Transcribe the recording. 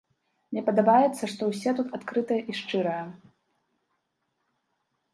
Мне падабаецца, што ўсе тут адкрытыя і шчырыя.